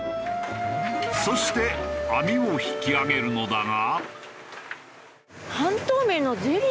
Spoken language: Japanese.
そして網を引き揚げるのだが。